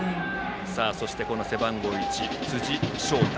そして背番号１、辻晶太。